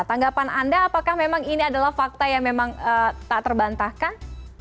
tanggapan anda apakah memang ini adalah fakta yang memang tak terbantahkan